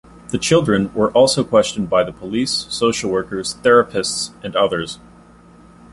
The children were also questioned by the police, social workers, therapists, and others.